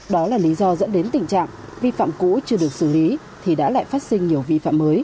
đó là lý do giải quyết các công trình vi phạm ở xã ứng hòe